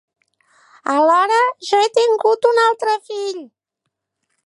Alhora jo he tingut un altre fill.